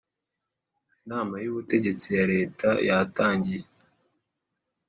Inama y Ubutegetsi ya leta yatangiye